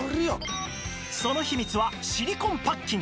その秘密はシリコンパッキン